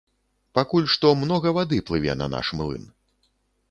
Пакуль што многа вады плыве на наш млын.